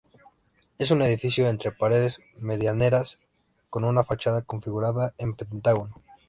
Es un edificio entre paredes medianeras, con una fachada configurada en pentágono.